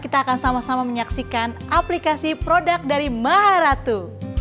kita akan sama sama menyaksikan aplikasi produk dari maharatu